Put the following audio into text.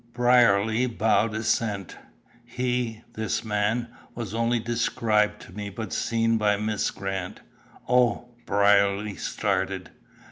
Brierly bowed assent. "He, this man, was only described to me, but seen by Miss Grant." "Oh!" Brierly started.